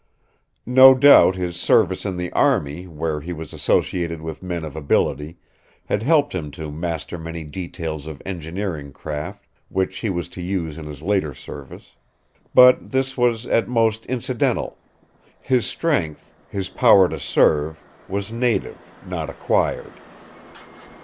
No doubt his service in the army, where he was associated with men of ability, had helped him to master many details of engineering craft, which he was to use in his later service. But this was at most incidental; his strength, his power to serve, was native, not acquired.